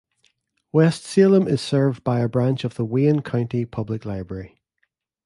West Salem is served by a branch of the Wayne County Public Library.